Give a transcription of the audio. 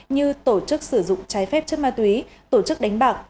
như tổ chức sử dụng trái phép chất ma túy tổ chức đánh bạc